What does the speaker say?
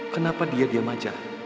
kenapa dia diam aja